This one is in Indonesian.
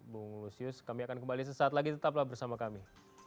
bung lusius kami akan kembali sesaat lagi tetaplah bersama kami